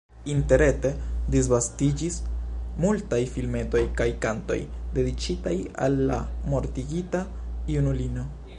Interrete disvastiĝis multaj filmetoj kaj kantoj, dediĉitaj al la mortigita junulino.